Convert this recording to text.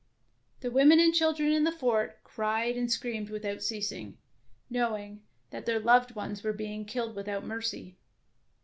The women and children in the fort cried 108 DEFENCE OF CASTLE DANGEKOUS and screamed without ceasing, knowing that their loved ones were being killed without mercy.